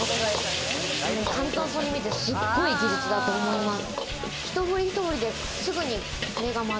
簡単そうに見えて、すごい技術だと思います。